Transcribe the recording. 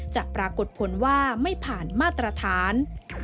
ปรากฏผลว่าไม่ผ่านมาตรฐาน